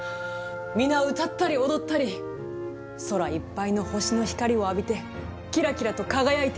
皆歌ったり踊ったり空いっぱいの星の光を浴びてキラキラと輝いている。